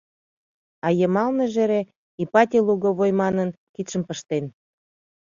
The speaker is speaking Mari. А йымалныже эре, «Ипатий Луговой» манын, кидшым пыштен.